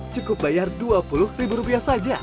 cukup bayar dua puluh ribu rupiah saja